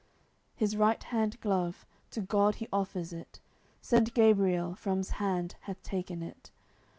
His right hand glove, to God he offers it Saint Gabriel from's hand hath taken it.